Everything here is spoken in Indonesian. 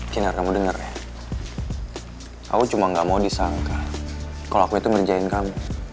kinerja kamu denger ya aku cuma gak mau disangka kalau aku itu ngerjain kamu